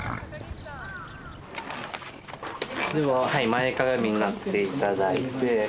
前かがみになって頂いて。